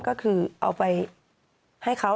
ก็คือเอาไปให้เขา